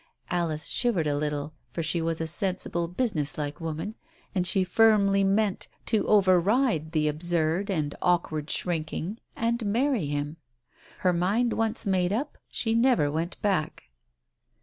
Alice shivered a little, for she was a sensible, business like woman, and she firmly meant to over ride the absurd and awkward shrinking, and marry him. Her mind once made up, she never went back.